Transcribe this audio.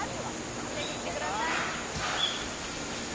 当てにいってください。